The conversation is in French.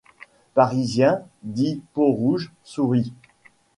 Parisien, dit Peaurouge, sourit.